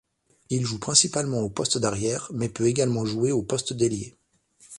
Il joue principalement au poste d'arrière, mais peu également jouer au poste d'ailier.